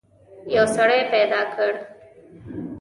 یو سړی پیدا کړ.